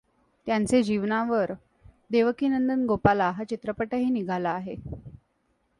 त्यांचे जीवनावर देवकीनंदन गोपाला हा चित्रपटही निघाला आहे.